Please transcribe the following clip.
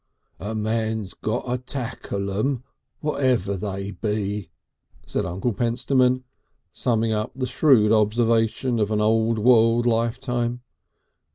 "A man's got to tackle 'em, whatever they be," said Uncle Pentstemon, summing up the shrewd observation of an old world life time.